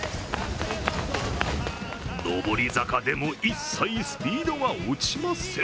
上り坂でも一切スピードが落ちません。